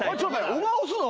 お前押すの？